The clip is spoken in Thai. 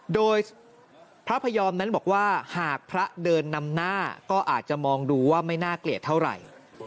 โดยพระพยอมนั้นบอกว่าหากพระเดินนำหน้าก็อาจจะมองดูว่าไม่น่าเกลียดเท่าไหร่